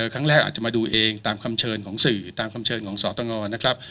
ครั้งแรกอาจจะมาดูเองตามคำเชิญของสื่อตามคำเชิญของสตงนะครับ